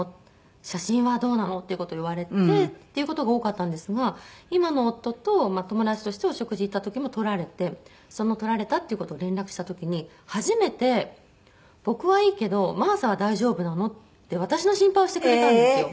写真はどうなの？」っていう事を言われて。っていう事が多かったんですが今の夫と友達としてお食事行った時も撮られてその撮られたっていう事を連絡した時に初めて「僕はいいけど真麻は大丈夫なの？」って私の心配をしてくれたんですよ。